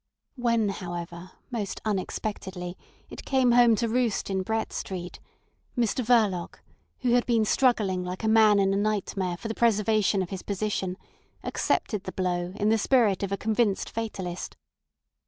When, however, most unexpectedly, it came home to roost in Brett Street, Mr Verloc, who had been struggling like a man in a nightmare for the preservation of his position, accepted the blow in the spirit of a convinced fatalist.